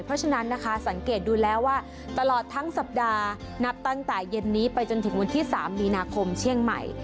เพราะฉะนั้นนะคะสังเกตดูแล้วว่าตลอดทั้งสัปดาห์นับตั้งแต่เย็นนี้ไปจนถึงวันที่๓มีนาคมเชียงใหม่